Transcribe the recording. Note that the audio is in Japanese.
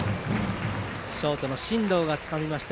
ショートの進藤がつかみました。